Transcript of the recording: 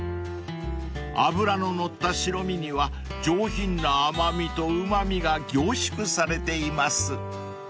［脂の乗った白身には上品な甘味とうま味が凝縮されています］